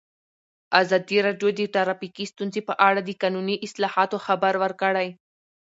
ازادي راډیو د ټرافیکي ستونزې په اړه د قانوني اصلاحاتو خبر ورکړی.